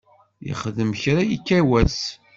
Yexdem kra yekka wass.